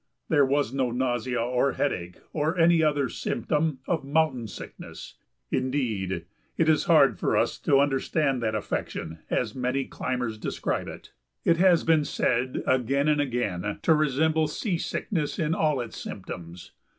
There was no nausea or headache or any other symptom of "mountain sickness." Indeed, it is hard for us to understand that affection as many climbers describe it. It has been said again and again to resemble seasickness in all its symptoms.